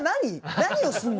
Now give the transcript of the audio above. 何をするの？」